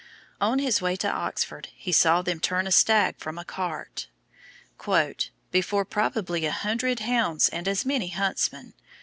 On his way to Oxford he saw them turn a stag from a cart "before probably a hundred hounds and as many huntsmen.